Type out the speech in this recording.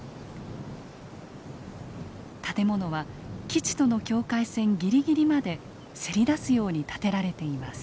建物は基地との境界線ぎりぎりまでせり出すように建てられています。